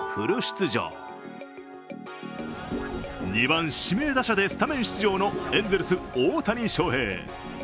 ２番・指名打者でスタメン出場のエンゼルス・大谷翔平。